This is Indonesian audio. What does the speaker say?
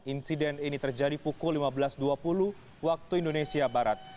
insiden ini terjadi pukul lima belas dua puluh waktu indonesia barat